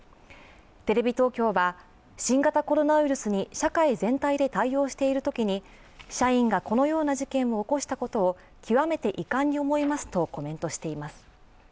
テレビ東京は新型コロナウイルスに社会全体で対応しているときに社員がこのような事件を起こしたことを極めて遺憾に思いますとコメントしています。